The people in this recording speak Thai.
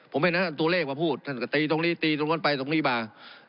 ผมเห็นตัวเลขมาพูดท่านก็ตีตรงนี้ตีตรงนู้นไปตรงนี้มา